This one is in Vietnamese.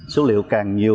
số liệu càng nhiều